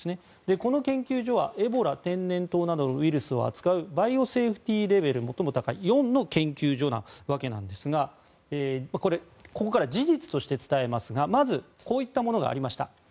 この研究所はエボラ天然痘などのウイルスを扱うバイオセーフティーレベルが最も高い４の研究所のわけですがここから、事実として伝えますがまずこういったものがありました。